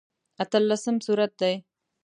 اتلسم سورت دی.